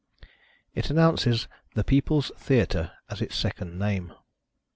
It announces "The People's Theatre," as its second name.